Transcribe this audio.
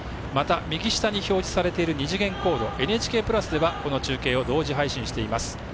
また、右下に表示されている二次元コードＮＨＫプラスではこの中継を同時配信しています。